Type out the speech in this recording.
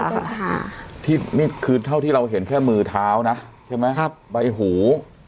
ใช่ค่ะที่นี่คือเท่าที่เราเห็นแค่มือเท้านะใช่ไหมครับใบหู